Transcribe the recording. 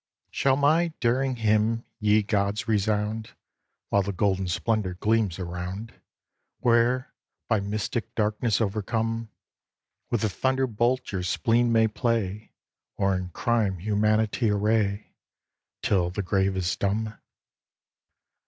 Shall my daring hymn, ye gods, resound, While the golden splendor gleams around, Where, by mystic darkness overcome, With the thunderbolt your spleen may play, Or in crime humanity array, Till the grave is dumb?